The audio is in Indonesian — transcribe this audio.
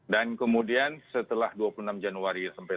dan kemudian setelah dua ribu dua puluh satu kita melakukan pemulihan kesehatan